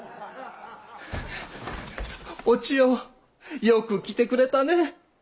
お千代よく来てくれたねぇ。